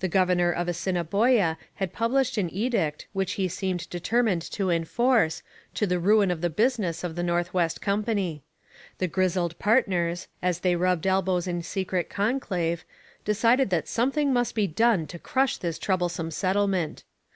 The governor of Assiniboia had published an edict which he seemed determined to enforce, to the ruin of the business of the North West Company. The grizzled partners, as they rubbed elbows in secret conclave, decided that something must be done to crush this troublesome settlement.